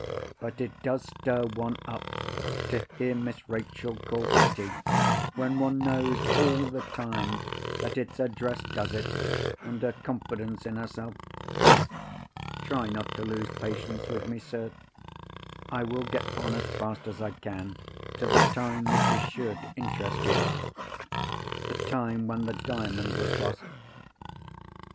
But it does stir one up to hear Miss Rachel called pretty, when one knows all the time that it's her dress does it, and her confidence in herself. "Try not to lose patience with me, sir. I will get on as fast as I can to the time which is sure to interest you—the time when the Diamond was lost.